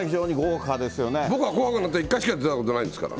僕は紅白なんて１回しか出たことないんですから。